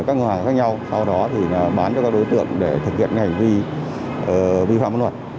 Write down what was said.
các ngân hàng khác nhau sau đó thì bán cho các đối tượng để thực hiện cái hành vi vi phạm pháp luật